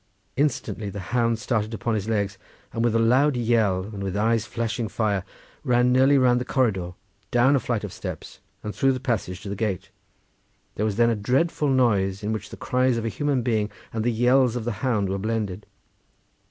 Instantly the hound started upon his legs, and with a loud yell, and with eyes flashing fire, ran nearly round the corridor down a flight of steps and through the passage to the gate. There was then a dreadful noise, in which the cries of a human being and the yells of the hound were blended.